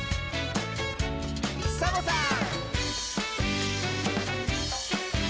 サボさん！